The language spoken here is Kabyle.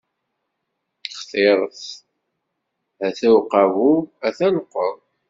Xtiṛet: a-t-a uqabub, a-t-a llqeḍ!